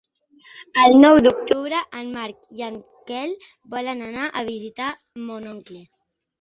El nou d'octubre en Marc i en Quel volen anar a visitar mon oncle.